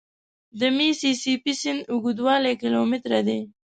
د میسي سي پي سیند اوږدوالی کیلومتره دی.